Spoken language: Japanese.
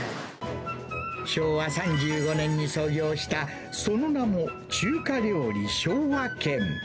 昭和３５年に創業した、その名も、中華料理昭和軒。